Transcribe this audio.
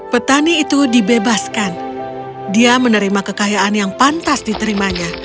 petani itu dibebaskan dia menerima kekayaan yang pantas diterimanya